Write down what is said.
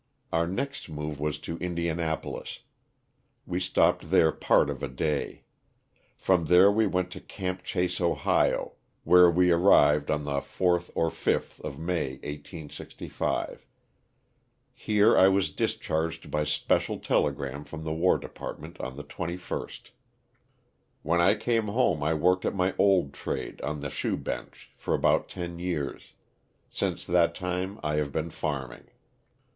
Our next move was to Indianapolis. We stopped there part of a day. From there we went to *'Camp Chase," Ohio, where we arrived on the 4th or 5th of L088 OF TifE SULTANA. 149 May, 18G5. iiere I was diHcharged by apeoial telegram from the War Department on the 21st. When I came home I worked at my old trade, on the shoe bench, for about ten years; since that time J have been farming.